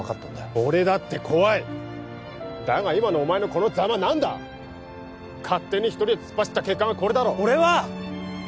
俺だって怖いだが今のお前のこのザマは何だ勝手に一人で突っ走った結果がこれだろ俺は！